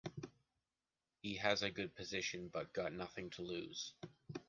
He has a good position but got nothing to lose.